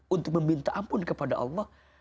untuk meminta ampun kepada allah